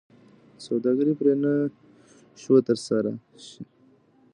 سوداګري پرې نه شوه ترسره شي.